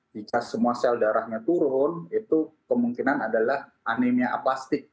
jika semua sel darahnya turun itu kemungkinan adalah anemia apastik